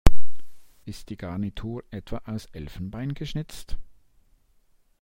Ist die Garnitur etwa aus Elfenbein geschnitzt?